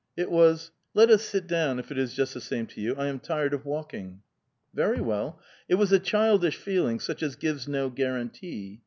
It was —"'' Let us sit down, if it is just the same to you ; I am tired of walkins:." '* Ven* well. It was a childish feeling, such as gives no guarantee.